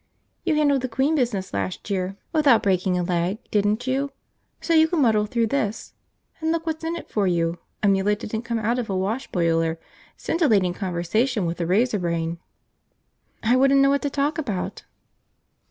"You handled the queen business last year without breaking a leg, didn't you? So you can muddle through this. And look what's in it for you, a meal that didn't come out of a wash boiler, scintillating conversation with a razor brain." "I wouldn't know what to talk about."